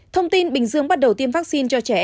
thông tin bình dương bắt đầu tiêm vaccine cho trẻ em là sai